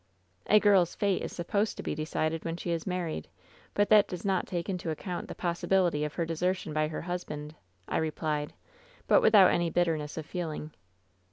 " 'A girl's fate is supposed to be decided when she is married, but that does not take into account the pos sibility of her desertion by her husband,' I replied, but without any bitterness of feeling.